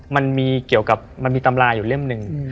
มันมีเกี่ยวกับมันมีตำราอยู่เล่มหนึ่ง